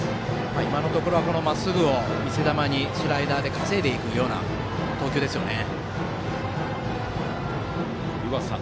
今のところまっすぐを見せ球にスライダーで稼いでいくような投球ですね。